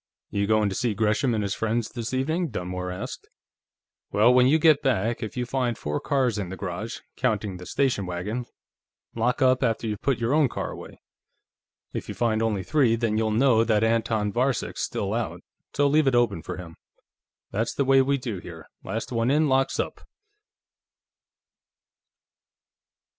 "You going to see Gresham and his friends, this evening?" Dunmore asked. "Well, when you get back, if you find four cars in the garage, counting the station wagon, lock up after you've put your own car away. If you find only three, then you'll know that Anton Varcek's still out, so leave it open for him. That's the way we do here; last one in locks up."